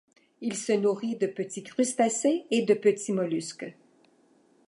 Il se nourrit de petits crustacés et de petits mollusques.